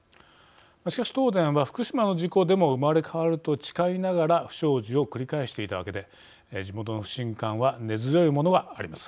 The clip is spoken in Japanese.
しかし東電は福島の事故でも生まれ変わると誓いながら不祥事を繰り返していたわけで地元の不信感は根強いものがあります。